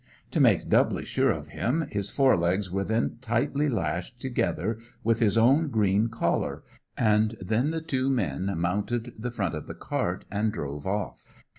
To make doubly sure of him, his fore legs were then tightly lashed together with his own green collar; and then the two men mounted the front of the cart and drove off.